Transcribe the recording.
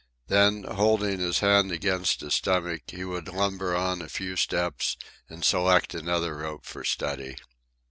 Then, holding his hand against his stomach, he would lumber on a few steps and select another rope for study.